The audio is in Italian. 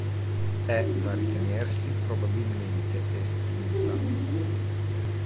È da ritenersi probabilmente estinta.